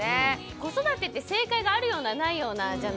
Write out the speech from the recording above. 子育てって正解があるようなないようなじゃないですか。